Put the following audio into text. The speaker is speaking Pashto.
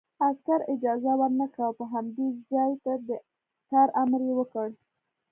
عسکر اجازه ورنکړه او په همدې ځای د کار امر یې وکړ